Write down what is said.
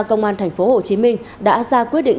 công an tp hcm đã ra quyết định